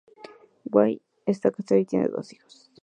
Wi Está casado y tiene dos hijos.